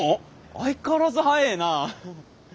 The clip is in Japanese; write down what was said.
相変わらず速ぇな！